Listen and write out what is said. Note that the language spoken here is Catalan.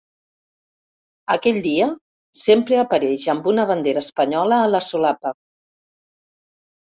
Aquell dia sempre apareix amb una bandera espanyola a la solapa.